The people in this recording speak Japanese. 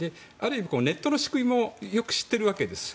ネットの仕組みもよく知ってるわけです。